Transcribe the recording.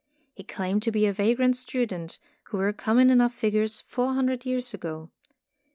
He claimed to be a vagrant student, who were common enough figures four hundred years ago.